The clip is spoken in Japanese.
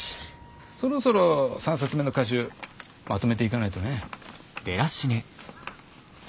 そろそろ３冊目の歌集まとめていかないとね。